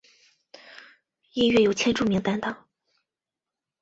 音乐由千住明担当。